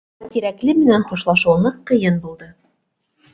Уға Тирәкле менән хушлашыу ныҡ ҡыйын булды.